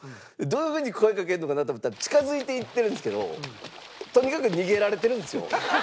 どういう風に声かけるのかなと思ったら近付いていってるんですけどとにかく逃げられてるんですよ。